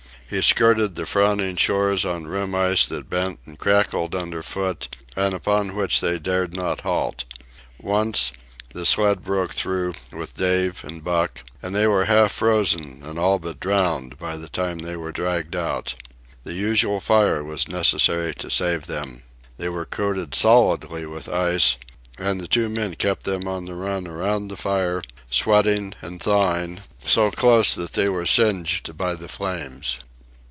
He skirted the frowning shores on rim ice that bent and crackled under foot and upon which they dared not halt. Once, the sled broke through, with Dave and Buck, and they were half frozen and all but drowned by the time they were dragged out. The usual fire was necessary to save them. They were coated solidly with ice, and the two men kept them on the run around the fire, sweating and thawing, so close that they were singed by the flames.